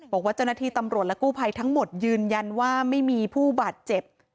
บอกว่าเจ้าหน้าที่ตำรวจและกู้ภัยทั้งหมดยืนยันว่าไม่มีผู้บาดเจ็บ